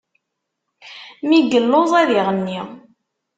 Mi yelluẓ, ad iɣenni.